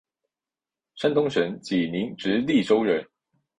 山东省济宁直隶州人。